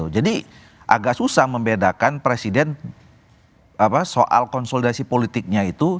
jadi agak susah membedakan presiden soal konsolidasi politiknya itu